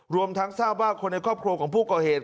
รวมทั้งทราบว่าคนในครอบครัวของผู้ก่อเหตุ